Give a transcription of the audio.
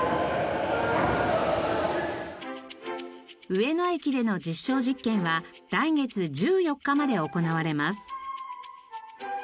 上野駅での実証実験は来月１４日まで行われます。